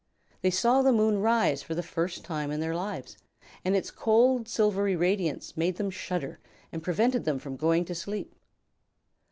They saw the moon rise for the first time in their lives, and its cold, silvery radiance made them shudder and prevented them from going to sleep.